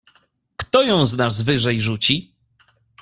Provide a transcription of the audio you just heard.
"Kto ją z nas wyżej rzuci?"